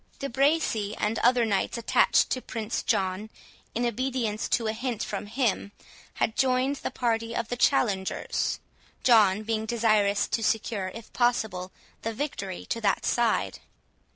De Bracy, and other knights attached to Prince John, in obedience to a hint from him, had joined the party of the challengers, John being desirous to secure, if possible, the victory to that side.